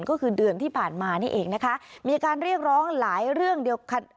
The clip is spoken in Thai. ก็คือเดือนที่ผ่านมานี่เองนะคะมีการเรียกร้องหลายเรื่องเดียว